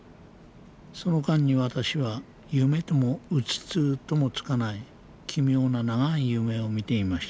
その間に私は夢ともうつつともつかない奇妙な長い夢を見ていました。